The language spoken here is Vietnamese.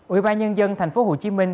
ủy ban nhân dân thành phố hồ chí minh